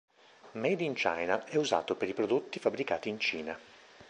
Made in China è usato per i prodotti fabbricati in Cina.